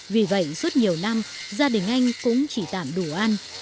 vì vậy suốt nhiều năm gia đình anh cũng chỉ tạm đủ ăn